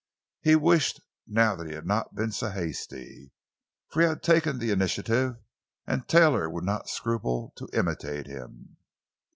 He wished, now, that he had not been so hasty; for he had taken the initiative, and Taylor would not scruple to imitate him.